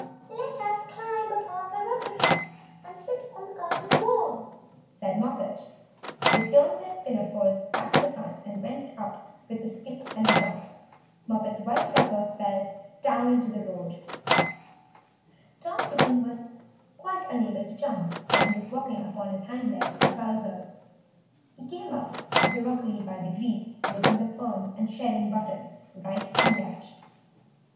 "Let us climb up the rockery, and sit on the garden wall," said Moppet. They turned their pinafores back to front, and went up with a skip and a jump; Moppet's white tucker fell down into the road. Tom Kitten was quite unable to jump when walking upon his hind legs in trousers. He came up the rockery by degrees, breaking the ferns, and shedding buttons right and left.